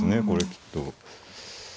これきっと。